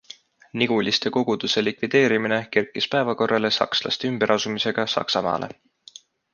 Niguliste koguduse likvideerimine kerkis päevakorrale sakslaste ümberasumisega Saksamaale.